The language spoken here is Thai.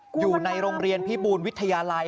อยู่ในโรงเรียนพิบูรวิทยาลัย